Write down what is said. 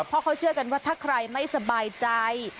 เพราะเขาเชื่อกันว่าถ้าใครไม่สบายใจ